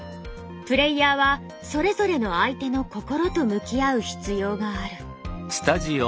プレイヤーはそれぞれの相手の心と向き合う必要がある。